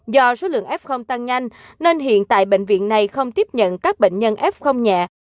do số lượng f tăng nhanh nên hiện tại bệnh viện này không tiếp nhận các bệnh nhân f nhẹ